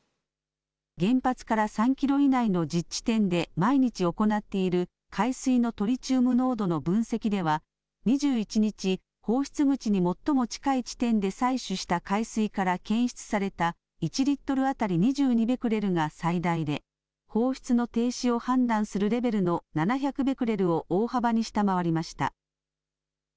原発から３キロ以内の１０地点で毎日行っている海水のトリチウム濃度の分析では２１日、放出口に最も近い地点で採取した海水から検出された１リットル当たり２２ベクレルが最大で放出の停止を判断するレベルの７００ベクレルを大幅に下回りました。